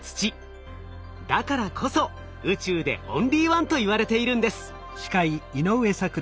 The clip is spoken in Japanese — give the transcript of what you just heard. だからこそ宇宙でオンリーワンといわれているんです。